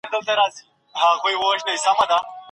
آيا سياست پرته له دوو اړخونو شونی دی؟